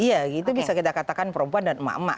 iya gitu bisa kita katakan perempuan dan emak emak